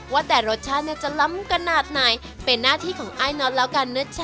ว่าแต่รสชาติจะล้ำกระหนาดไหนเป็นหน้าที่ของไอ้นอสแล้วกันนะเช้า